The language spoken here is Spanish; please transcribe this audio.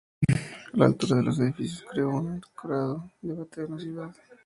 La altura de los edificios creó un acalorado debate en la ciudad.